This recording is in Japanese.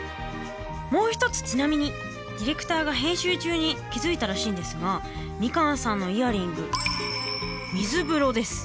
もう一つちなみにディレクターが編集中に気付いたらしいんですがみかんさんのイヤリング水風呂です。